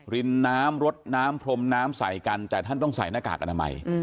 ริมน้ำรดน้ำพรมน้ำใส่กันแต่ท่านต้องใส่หน้ากากอนามัย